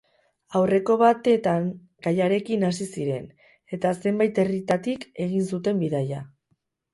Aurreko batetan gaiarekin hasi ziren, eta zenbait herritatik egin zuten bidaia.